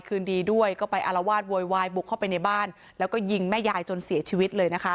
คืนดีด้วยก็ไปอารวาสโวยวายบุกเข้าไปในบ้านแล้วก็ยิงแม่ยายจนเสียชีวิตเลยนะคะ